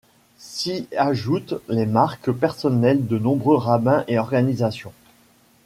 S'y ajoutent les marques personnelles de nombreux rabbins et organisations.